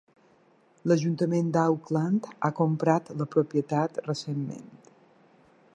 L'ajuntament d'Auckland ha comprat la propietat recentment.